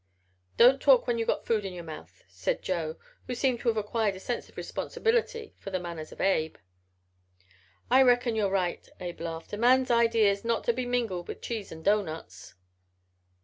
"Don't talk when you've got food in your mouth," said Joe who seemed to have acquired a sense of responsibility for the manners of Abe. "I reckon you're right," Abe laughed. "A man's ideas ought not to be mingled with cheese and doughnuts."